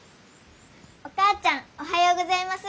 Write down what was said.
お母ちゃんおはようございます。